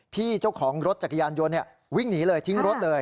พี่เจ้าของรถจักรยานยนต์วิ่งหนีเลยทิ้งรถเลย